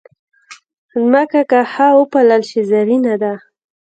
مځکه که ښه وپالل شي، زرینه ده.